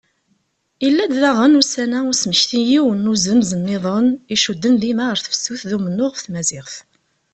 Yella-d diɣen ussan-a usmekti n yiwen wazemz nniḍen icudden dima ɣer tefsut d umennuɣ ɣef tmaziɣt.